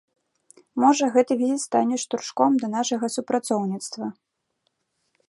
Можа, гэты візіт стане штуршком да нашага супрацоўніцтва.